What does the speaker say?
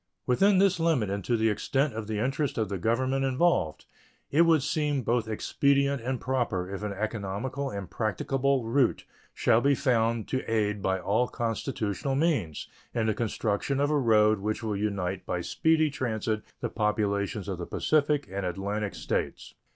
Within this limit and to the extent of the interest of the Government involved it would seem both expedient and proper if an economical and practicable route shall be found to aid by all constitutional means in the construction of a road which will unite by speedy transit the populations of the Pacific and Atlantic States.